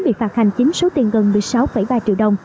bị phạt hành chính số tiền gần một mươi sáu ba triệu đồng